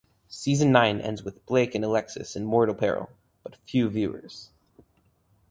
Season nine ends with Blake and Alexis in mortal peril, but few viewers.